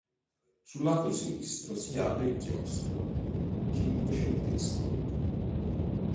Sul lato sinistro si apre il chiostro cinquecentesco.